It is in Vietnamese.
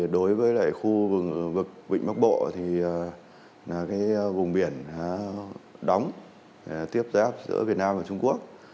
đối với khu vực quỳnh bắc bộ thì là vùng biển đóng tiếp giáp giữa việt nam và trung quốc